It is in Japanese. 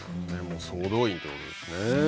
総動員ということですね。